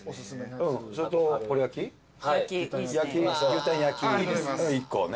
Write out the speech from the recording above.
牛タン焼き１個ね。